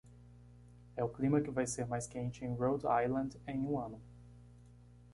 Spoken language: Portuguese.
é o clima que vai ser mais quente em Rhode Island em um ano